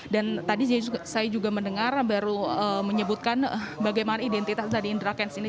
dan tadi saya juga mendengar baru menyebutkan bagaimana identitas dari indra kents ini